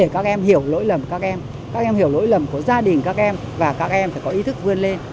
các em hiểu lỗi lầm của gia đình các em và các em phải có ý thức vươn lên